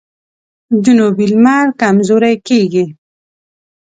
جنوبي لمر کمزوری کیږي.